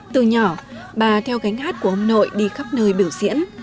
từ nhỏ bà theo gánh hát của ông nội đi khắp nơi biểu diễn